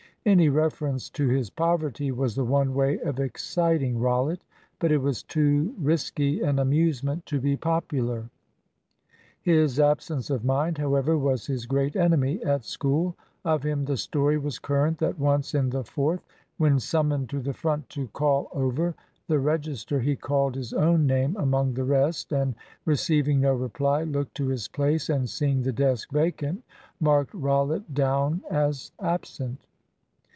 Any reference to his poverty was the one way of exciting Rollitt. But it was too risky an amusement to be popular. His absence of mind, however, was his great enemy at school. Of him the story was current that once in the Fourth, when summoned to the front to call over the register, he called his own name among the rest, and receiving no reply, looked to his place, and seeing the desk vacant, marked Rollitt down as absent.